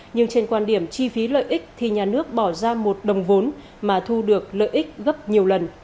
nhưng trên quan điểm chi phí lợi ích thì nhà nước bỏ ra một đồng vốn mà thu được lợi ích gấp nhiều lần